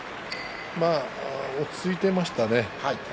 落ち着いていましたよね。